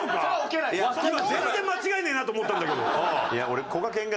今全然間違えねえなって思ったんだけど。